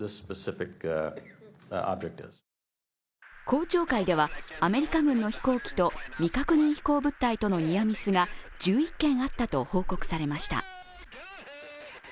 公聴会ではアメリカ軍の飛行機と未確認飛行物体とのニアミスが１１件あったと報告されました。